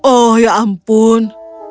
oh ya ampun